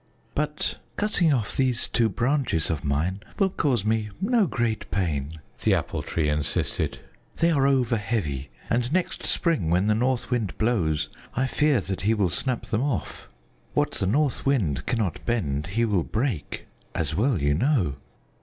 "But cutting off these two branches of mine will cause me no great pain," the Apple Tree insisted. "They are over heavy, and next spring when the North Wind blows, I fear that he will snap them off. What the North Wind cannot bend he will break, as well you know.